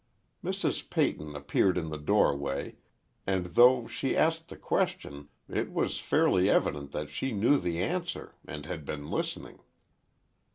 Mrs. Peyton appeared in the doorway, and though she asked the question, it was fairly evident that she knew the answer, and had been listening.